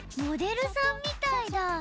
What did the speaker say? モデルさんみたいだ。